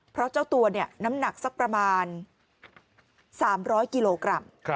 เพราะเจ้าตัวน้ำหนักสักประมาณ๓๐๐กิโลกรัม